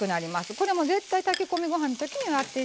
これは絶対炊き込みご飯の時にやって頂きたいことですね。